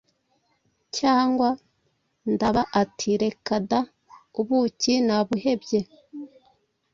cyangwa”? Ndaba ati: “Reka da! Ubuki nabuhebye,